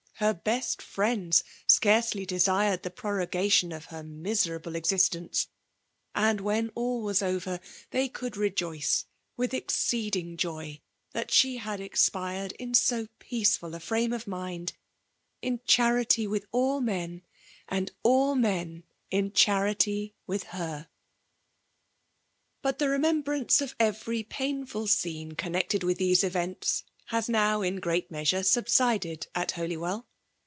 Her best friends scarcely desired the prorogation of her miserable exist^ce; and, when aU was over, they could rejoice with FEMALE DOIUKATION* 35$ exceeding joy, that she had expired in u^ yeacdul a firame of xnind> — in charity with a]{ men* and all men in charity with her !♦•♦»♦■♦. Bui the remembrance of every painful scene connected with these events^ has now in a great measure subsided at Holywell.